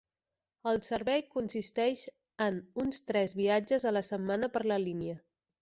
El servei consisteix en uns tres viatges a la setmana per la línia.